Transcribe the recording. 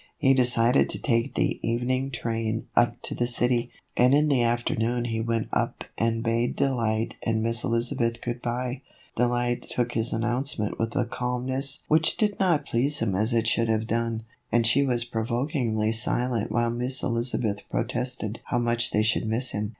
He decided to take the evening train up to the city, and in the afternoon he went up and bade Delight and Miss Elizabeth good by. Delight took his announcement with a calmness which did not please him as it should have done, and she was provokingly silent while Miss Elizabeth protested how much they should miss him.